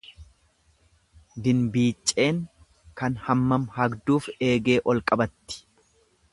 Dinbiicceen kan hammam hagduuf eegee ol qabatti.